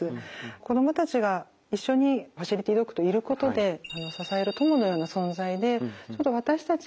子供たちが一緒にファシリティドッグといることで支える友のような存在でちょっと私たち